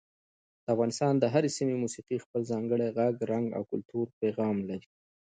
د افغانستان د هرې سیمې موسیقي خپل ځانګړی غږ، رنګ او کلتوري پیغام لري.